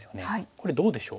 これどうでしょう？